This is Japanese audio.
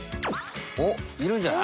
おっいるんじゃない？